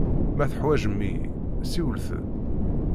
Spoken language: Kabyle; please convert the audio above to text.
Ma teḥwaǧem-iyi, siwlet-d.